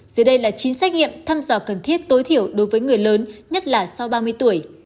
dưới đây là chín xét nghiệm thăm dò cần thiết tối thiểu đối với người lớn nhất là sau ba mươi tuổi